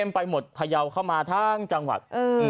ไปหมดพยาวเข้ามาทั้งจังหวัด